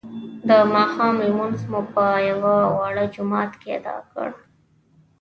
د ماښام لمونځ مو په یوه واړه جومات کې ادا کړ.